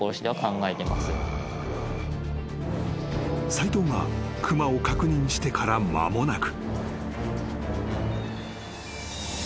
［斎藤が熊を確認してから間もなく］